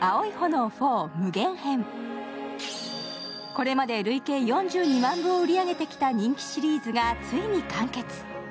これまで累計４２万部を売り上げてきた人気シリーズがついに完結。